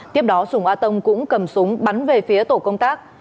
tiếp đó sùng a tông cũng cầm súng bắn về phía tổ công tác